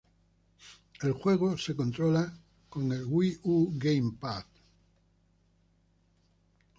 El juego se controla con el Wii U GamePad.